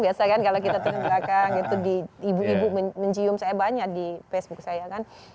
biasa kan kalau kita turun belakang itu di ibu ibu mencium saya banyak di facebook saya kan